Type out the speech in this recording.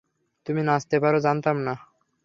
তুমি নাচতে পারো জানতাম না।